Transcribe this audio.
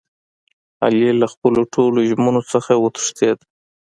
علي له خپلو ټولو ژمنو څخه و تښتېدا.